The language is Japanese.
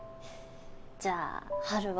じゃあ春は。